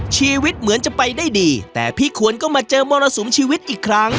ชีวิตเหมือนจะไปได้ดีแต่พี่ขวนก็มาเจอมรสุมชีวิตอีกครั้ง